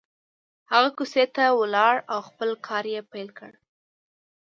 هغه کوڅې ته ولاړ او خپل کار يې پيل کړ.